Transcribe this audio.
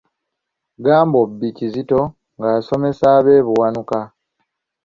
Gambobbi Kizito ng'asomesa ab'e Buwanuka .